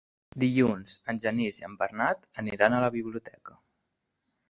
Dilluns en Genís i en Bernat aniran a la biblioteca.